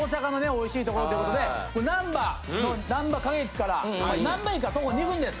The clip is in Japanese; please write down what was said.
おいしいところということでこれなんばのなんば花月からなんば駅から徒歩２分です。